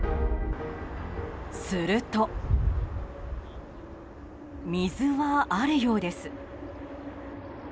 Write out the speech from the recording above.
すると、水はあるようです。